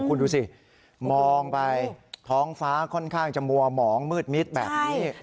คุณดูสิมองไปท้องฟ้าค่อนข้างจะมัวหมองมืดมิดแบบนี้